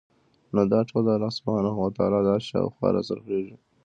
نو دا ټول د الله سبحانه وتعالی د عرش شاوخوا راڅرخي